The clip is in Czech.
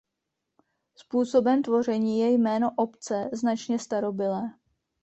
Způsobem tvoření je jméno obce značně starobylé.